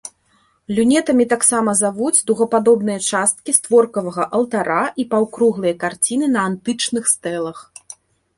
Люнетамі таксама завуць дугападобныя часткі створкавага алтара і паўкруглыя карціны на антычных стэлах.